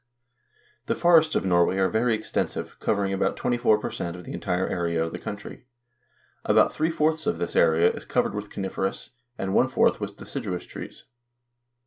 The forests of Norway are very extensive, covering about 24 per cent of the entire area of the country. About three fourths of this area is covered with coniferous, and one fourth with deciduous trees.